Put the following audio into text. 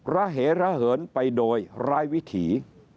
ระเหระเหินไปโดยร้ายวิถี